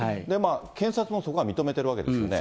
検察もそこは認めてるわけですよね。